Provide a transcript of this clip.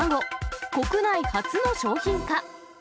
国内初の商品化。